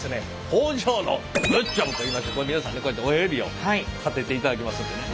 「工場のグッジョブ」といいまして皆さんねこうやって親指を立てていただきますんでね。